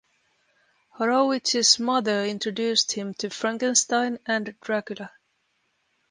Horowitz's mother introduced him to "Frankenstein" and "Dracula".